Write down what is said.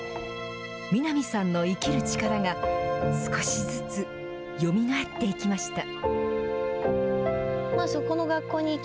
南さんの生きる力が少しずつよみがえっていきました。